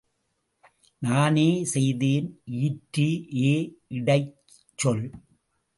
நானே செய்தேன் ஈற்று ஏ இடைச் சொல்.